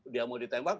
dia mau ditembak